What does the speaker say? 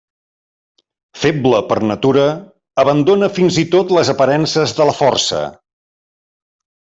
Feble per natura, abandona fins i tot les aparences de la força.